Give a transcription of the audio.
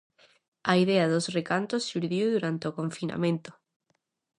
A idea dos recantos xurdiu durante o confinamento.